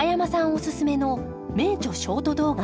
おススメの「名著」ショート動画